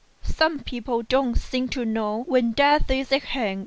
Some people don't seem to know when death is at hand."